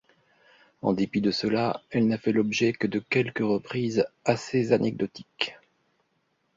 En dépit de cela, elle n'a fait l'objet que de quelques reprises assez anecdotiques.